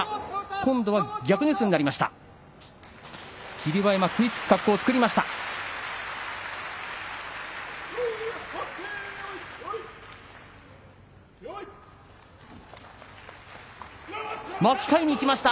今度は逆に四つになりました。